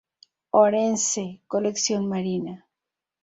Orense: Colección Marina.